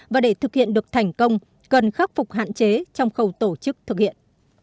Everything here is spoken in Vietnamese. và để thực hiện được thành công cần khắc phục hạn chế trong khâu tổ chức thực hiện